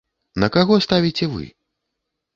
На каго ставіце вы?